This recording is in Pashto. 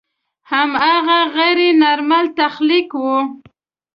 هماغه غیر نارمل تخلیق و.